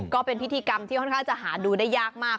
ก็เป็นพิธีกรรมที่ค่อนข้างจะหาดูได้ยากมาก